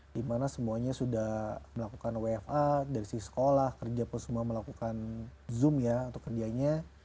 dimana semuanya sudah melakukan wfa dari sisi sekolah kerja pun semua melakukan zoom ya untuk kerjanya